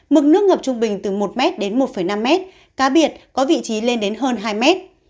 mực nước ngập trung bình từ một m đến một năm m cá biệt có vị trí lên đến hơn hai m